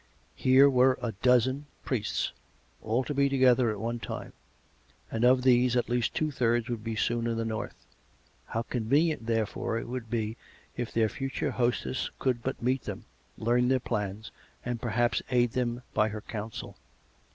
Here were a dozen priests, all to be together at one time; and of these, at least two thirds would be soon in the north. How conve nient, therefore, it would be if their future hostess could but meet them, learn their plans, and perhaps aid them by her counsel.